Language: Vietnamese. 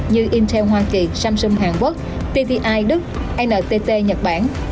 như intel hoa kỳ samsung hàn quốc pvi đức ntt nhật bản